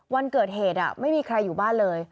วันเกิดเหตุไม่มีใครอยู่บ้านเลย